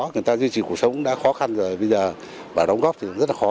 người ta duy trì cuộc sống đã khó khăn rồi bây giờ vào đóng góp thì rất là khó